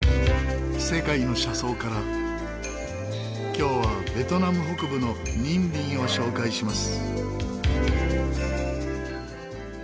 今日はベトナム北部のニンビンを紹介します。